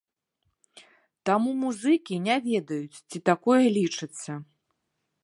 Таму музыкі не ведаюць, ці такое лічыцца.